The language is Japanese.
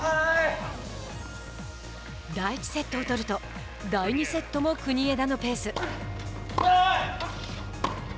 第１セットを取ると第２セットも国枝のペース。